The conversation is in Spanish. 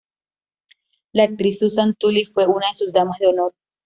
La actriz Susan Tully fue una de sus damas de honor.